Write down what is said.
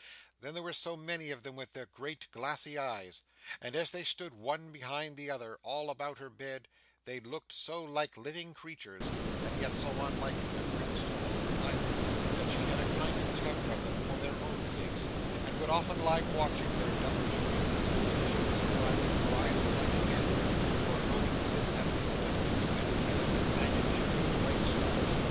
Then there were so many of them with their great glassy eyes and, as they stood one behind the other all about her bed, they looked so like living creatures, and yet so unlike in their grim stillness and silence, that she had a kind of terror of them for their own sakes, and would often lie watching their dusky figures until she was obliged to rise and light a candle, or go and sit at the open window and feel a companionship in the bright stars.